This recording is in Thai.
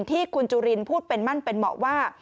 ที่คุณจุลินพูดเป็นมั่นเป็นเหมาะว่า